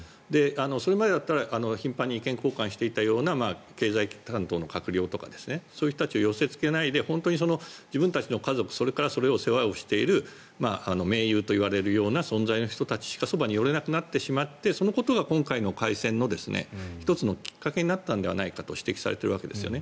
それまでだったら頻繁に意見交換していた経済担当の閣僚とかそういう人たちを寄せつけないで自分たちの家族それからそれの世話をしている盟友といわれているような存在の人しかそばに寄れなくなってしまってそのことが今回の開戦の１つのきっかけになったのではと指摘されてるんです。